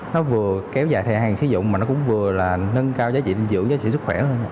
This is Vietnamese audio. nó vừa kéo dài thời hạn sử dụng mà nó cũng vừa là nâng cao giá trị dinh dưỡng giá trị sức khỏe hơn